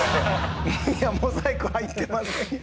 いやモザイク入ってません。